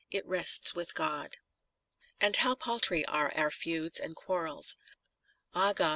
It rests with God.* And how paltry are our feuds and quarrels : Ah God